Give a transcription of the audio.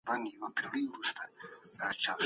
په ده کتابتون کې زرګونه کتابونه ځای پر ځای شول.